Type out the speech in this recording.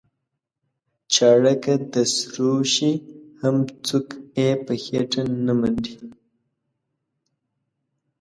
چاړه که د سرو شي هم څوک یې په خېټه نه منډي.